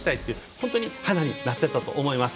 本当に花になっていたと思います。